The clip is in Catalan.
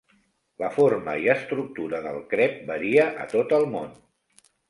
La forma i estructura del crep varia a tot el món.